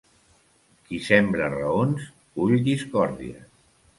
Qui sembra raons, cull discòrdies.